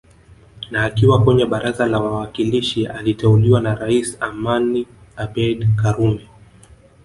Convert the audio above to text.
Na akiwa kwenye baraza la wawakilishi aliteuliwa na Rais Amani Abeid karume